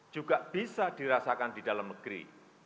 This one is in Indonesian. juga bisa dirasakan di dalam negeri